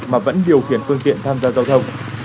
mà vẫn điều khiển phương tiện tham gia giao thông